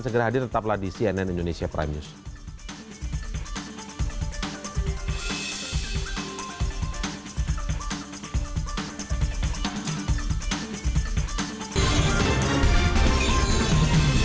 segera hadir tetaplah di cnn indonesia prime news